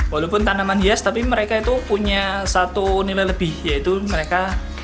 walaupun tanaman hias tapi mereka itu punya satu nilai lebih yaitu mereka